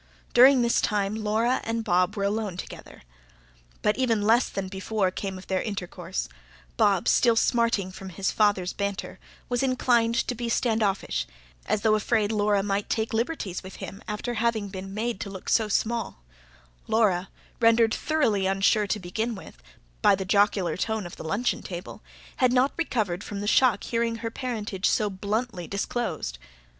During this time Laura and Bob were alone together. But even less than before came of their intercourse: Bob, still smarting from his father's banter, was inclined to be stand offish, as though afraid Laura might take liberties with him after having been made to look so small; Laura, rendered thoroughly unsure to begin with, by the jocular tone of the luncheon table, had not recovered from the shock of hearing her parentage so bluffly disclosed.